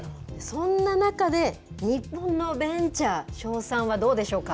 そんな中で、日本のベンチャー、勝算はどうでしょうか。